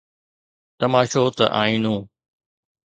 تماشو ته آئينو!